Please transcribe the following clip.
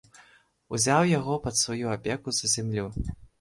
Узяў яго пад сваю апеку за зямлю.